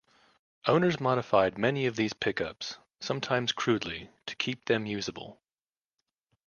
Owners modified many of these pickups, sometimes crudely, to keep them usable.